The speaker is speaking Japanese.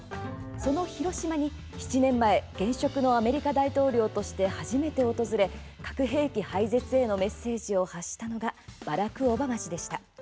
その広島に７年前現職のアメリカ大統領として初めて訪れ、核兵器廃絶へのメッセージを発したのがバラク・オバマ氏でした。